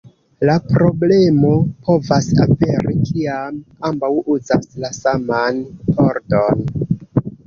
La problemo povas aperi kiam ambaŭ uzas la saman pordon.